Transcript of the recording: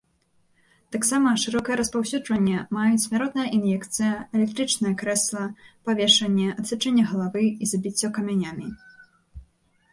Таксама шырокае распаўсюджванне маюць смяротная ін'екцыя, электрычнае крэсла, павешанне, адсячэнне галавы і забіццё камянямі.